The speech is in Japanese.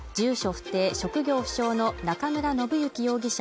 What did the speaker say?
不定・職業不詳の中村信之容疑者